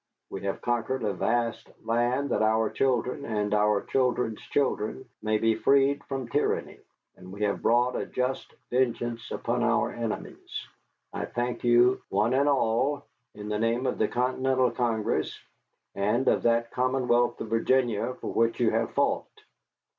We have conquered a vast land that our children and our children's children may be freed from tyranny, and we have brought a just vengeance upon our enemies. I thank you, one and all, in the name of the Continental Congress and of that Commonwealth of Virginia for which you have fought.